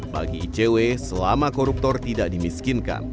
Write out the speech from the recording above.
bagi icw selama koruptor tidak dimiskinkan